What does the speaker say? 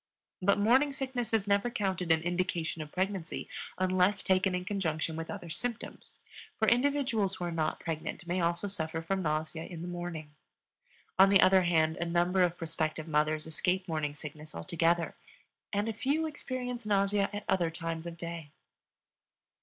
But morning sickness is never counted an indication of pregnancy unless taken in conjunction with other symptoms, for individuals who are not pregnant may also suffer from nausea in the morning. On the other hand, a number of prospective mothers escape morning sickness altogether, and a few experience nausea at other times of day.